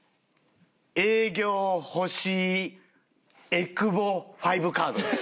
「営業欲しいえくぼ５カード」です。